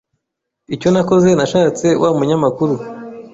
Icyo nakoze nashatse wa munyamakuru